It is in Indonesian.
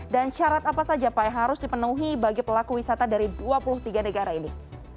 dan syarat apa saja pak yang harus dipenuhi bagi pelaku wisata dari dua puluh tiga negara ini